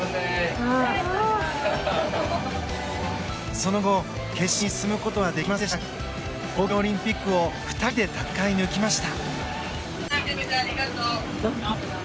その後、決勝に進むことはできませんでしたが東京オリンピックを２人で戦い抜きました。